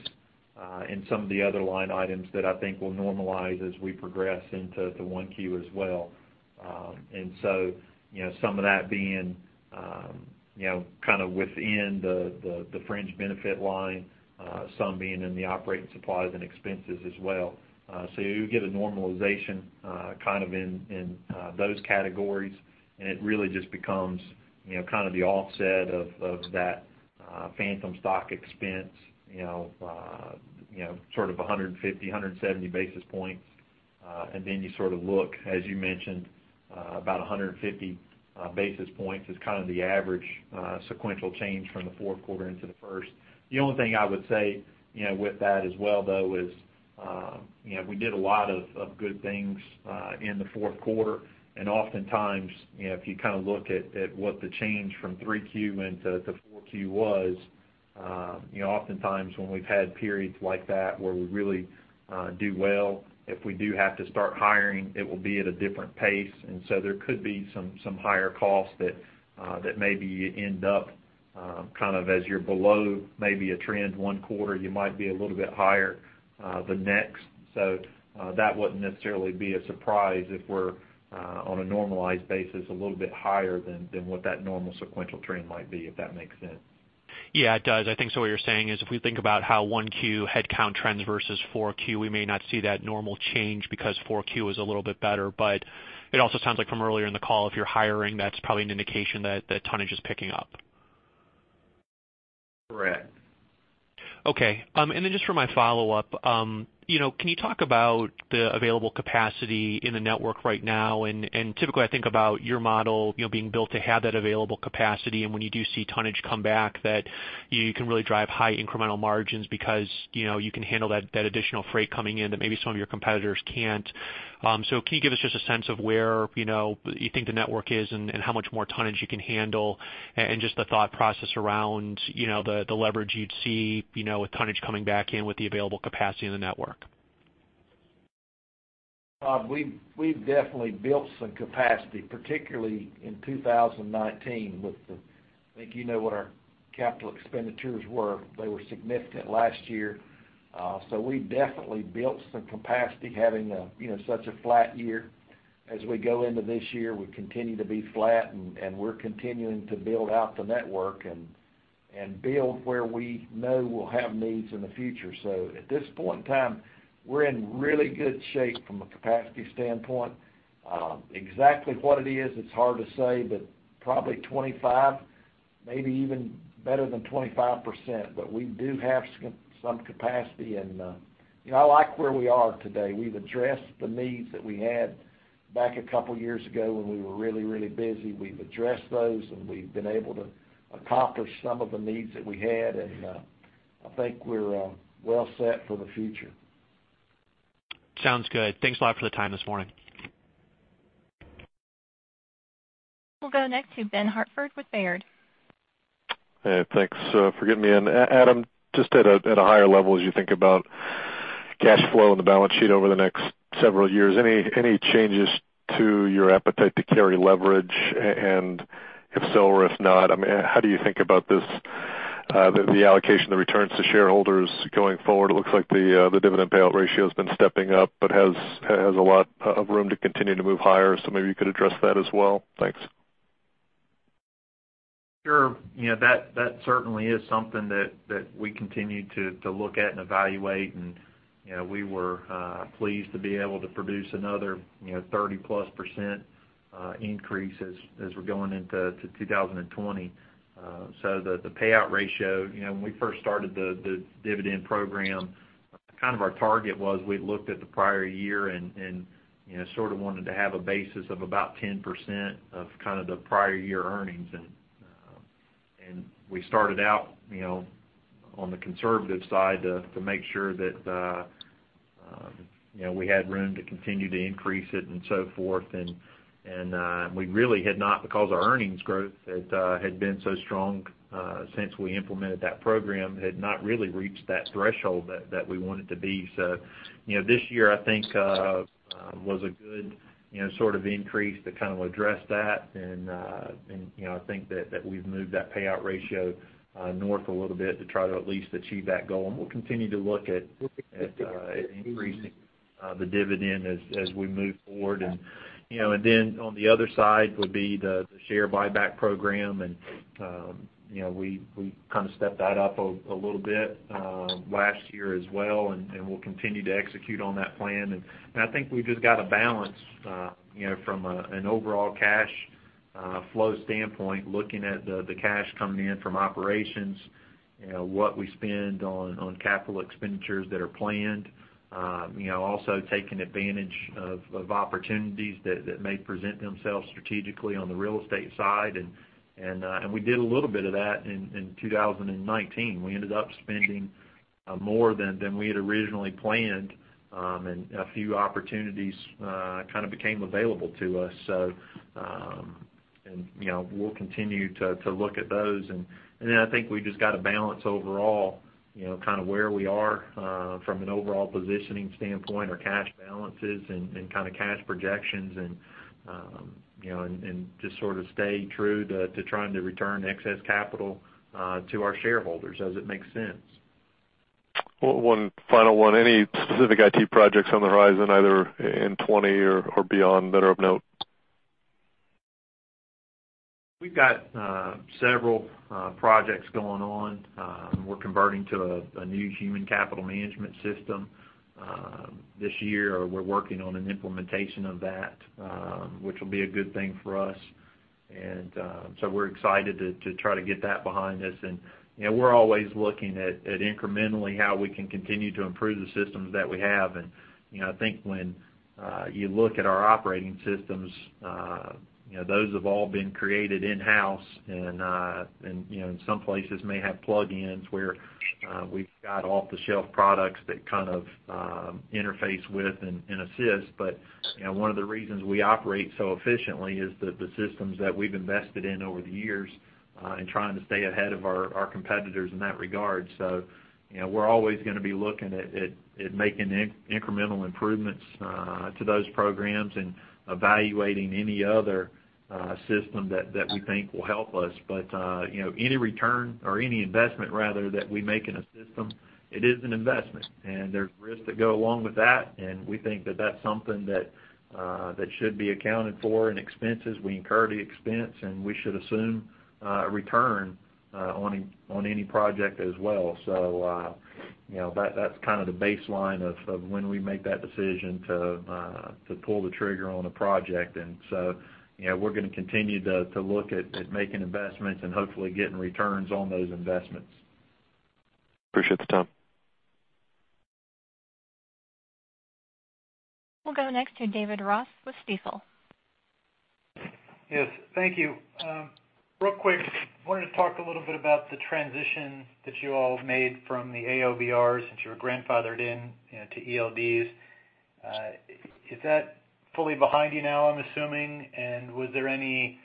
in some of the other line items that I think will normalize as we progress into 1Q as well. You know, some of that being, you know, kind of within the fringe benefit line, some being in the operating supplies and expenses as well. You get a normalization, kind of in those categories, and it really just becomes, you know, kind of the offset of that phantom stock expense, you know, sort of 150, 170 basis points. You sort of look, as you mentioned, about 150 basis points is kind of the average sequential change from the fourth quarter into the first. The only thing I would say, you know, with that as well, though, is, we did a lot of good things in the fourth quarter. Oftentimes, you know, if you kind of look at what the change from 3Q into the 4Q was, you know, oftentimes when we've had periods like that where we really do well, if we do have to start hiring, it will be at a different pace. There could be some higher costs that that maybe end up kind of as you're below maybe a trend one quarter, you might be a little bit higher the next. That wouldn't necessarily be a surprise if we're on a normalized basis a little bit higher than what that normal sequential trend might be, if that makes sense. Yeah, it does. I think what you're saying is if we think about how 1Q headcount trends versus 4Q, we may not see that normal change because 4Q is a little bit better. It also sounds like from earlier in the call, if you're hiring, that's probably an indication that the tonnage is picking up. Correct. Okay. And then just for my follow-up, you know, can you talk about the available capacity in the network right now? Typically, I think about your model, you know, being built to have that available capacity, and when you do see tonnage come back that you can really drive high incremental margins because, you know, you can handle that additional freight coming in that maybe some of your competitors can't. Can you give us just a sense of where, you know, you think the network is and how much more tonnage you can handle and just the thought process around, you know, the leverage you'd see, you know, with tonnage coming back in with the available capacity in the network. Todd, we've definitely built some capacity, particularly in 2019. I think you know what our capital expenditures were. They were significant last year. We definitely built some capacity having a, you know, such a flat year. As we go into this year, we continue to be flat and we're continuing to build out the network and build where we know we'll have needs in the future. At this point in time, we're in really good shape from a capacity standpoint. Exactly what it is, it's hard to say, but probably 25%, maybe even better than 25%. We do have some capacity and you know, I like where we are today. We've addressed the needs that we had back a couple years ago when we were really busy. We've addressed those, and we've been able to accomplish some of the needs that we had, and I think we're well set for the future. Sounds good. Thanks a lot for the time this morning. We'll go next to Ben Hartford with Baird. Hey, thanks for getting me in. Adam, just at a higher level, as you think about cash flow on the balance sheet over the next several years, any changes to your appetite to carry leverage? If so or if not, I mean, how do you think about this, the allocation, the returns to shareholders going forward? It looks like the dividend payout ratio has been stepping up but has a lot of room to continue to move higher. Maybe you could address that as well. Thanks. Sure. You know, that certainly is something that we continue to look at and evaluate. You know, we were pleased to be able to produce another, you know, 30%+ increase as we're going into 2020. The payout ratio, you know, when we first started the dividend program, kind of our target was we looked at the prior year and, you know, sort of wanted to have a basis of about 10% of kind of the prior year earnings. We started out, you know, on the conservative side to make sure that, you know, we had room to continue to increase it and so forth. We really had not because our earnings growth had had been so strong since we implemented that program had not really reached that threshold that we wanted to be. You know, this year, I think, was a good, you know, sort of increase to kind of address that. You know, I think that we've moved that payout ratio north a little bit to try to at least achieve that goal. We'll continue to look at increasing the dividend as we move forward. On the other side would be the share buyback program. You know, we kind of stepped that up a little bit last year as well, and we'll continue to execute on that plan. I think we've just got to balance from an overall cash flow standpoint, looking at the cash coming in from operations, what we spend on capital expenditures that are planned, also taking advantage of opportunities that may present themselves strategically on the real estate side. We did a little bit of that in 2019. We ended up spending more than we had originally planned, and a few opportunities kind of became available to us. We'll continue to look at those. I think we just got to balance overall, you know, kind of where we are from an overall positioning standpoint, our cash balances and kind of cash projections and, you know, and just sort of stay true to trying to return excess capital to our shareholders as it makes sense. One final one. Any specific IT projects on the horizon, either in 2020 or beyond that are of note? We've got several projects going on. We're converting to a new human capital management system this year. We're working on an implementation of that, which will be a good thing for us. We're excited to try to get that behind us. You know, we're always looking at incrementally how we can continue to improve the systems that we have. You know, I think when you look at our operating systems, you know, those have all been created in-house and, you know, in some places may have plugins where we've got off-the-shelf products that kind of interface with and assist. You know, one of the reasons we operate so efficiently is the systems that we've invested in over the years, in trying to stay ahead of our competitors in that regard. You know, we're always gonna be looking at making incremental improvements to those programs and evaluating any other system that we think will help us. You know, any return or any investment rather that we make in a system, it is an investment, and there's risks that go along with that, and we think that that's something that should be accounted for in expenses. We incur the expense, and we should assume return on any project as well. you know, that's kind of the baseline of when we make that decision to pull the trigger on a project. you know, we're gonna continue to look at making investments and hopefully getting returns on those investments. Appreciate the time. We'll go next to David Ross with Stifel. Yes, thank you. I wanted to talk a little bit about the transition that you all made from the AOBRs that you were grandfathered in, you know, to ELDs. Is that fully behind you now, I'm assuming? Was there any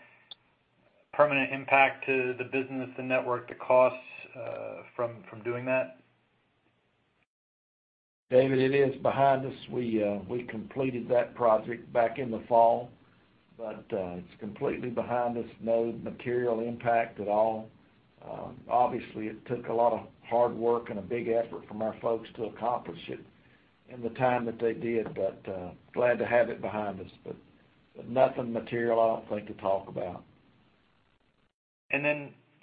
permanent impact to the business, the network, the costs, from doing that? David, it is behind us. We completed that project back in the fall. It's completely behind us. No material impact at all. Obviously, it took a lot of hard work and a big effort from our folks to accomplish it in the time that they did. Glad to have it behind us. Nothing material, I don't think, to talk about.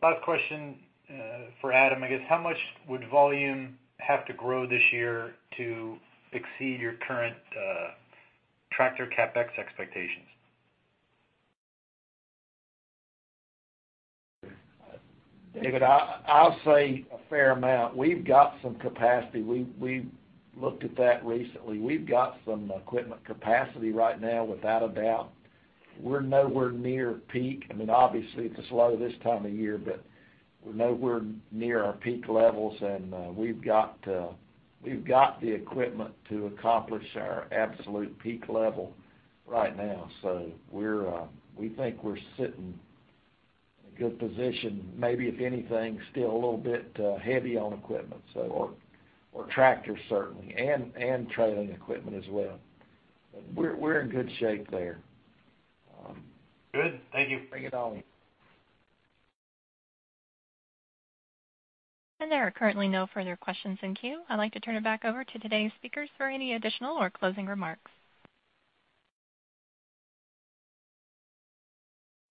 Last question, for Adam, I guess, how much would volume have to grow this year to exceed your current tractor CapEx expectations? David, I'll say a fair amount. We've got some capacity. We looked at that recently. We've got some equipment capacity right now without a doubt. We're nowhere near peak. I mean, obviously, it's slow this time of year, but we're nowhere near our peak levels. We've got the equipment to accomplish our absolute peak level right now. We think we're sitting in a good position. Maybe if anything, still a little bit heavy on equipment. Or tractors certainly and trailing equipment as well. We're in good shape there. Good. Thank you. Bring it on. There are currently no further questions in queue. I'd like to turn it back over to today's speakers for any additional or closing remarks.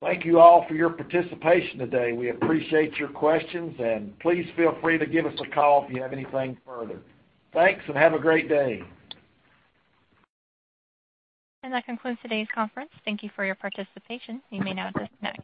Thank you all for your participation today. We appreciate your questions, and please feel free to give us a call if you have anything further. Thanks, and have a great day. That concludes today's conference. Thank you for your participation. You may now disconnect.